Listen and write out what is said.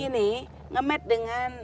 ini nge made dengan